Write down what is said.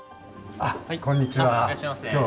こんにちは。